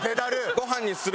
ご飯にする？